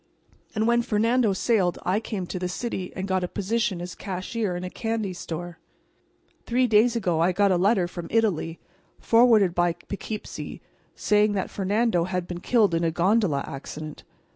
And when Fernando sailed I came to the city and got a position as cashier in a candy store." "Three days ago I got a letter from Italy, forwarded from P'kipsee, saying that Fernando had been killed in a gondola accident."